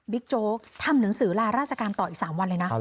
โจ๊กทำหนังสือลาราชการต่ออีก๓วันเลยนะ